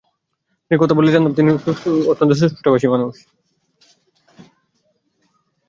তিনি কথা বললে বলতাম, তিনি অত্যন্ত সুস্পষ্টভাষী মানুষ।